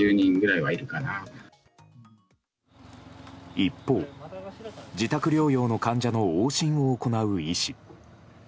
一方、自宅療養の患者の往診を行う医師。